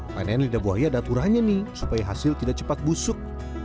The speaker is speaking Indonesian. panen lidah buaya ada urahnya nih supaya hasil tidak cepat busuk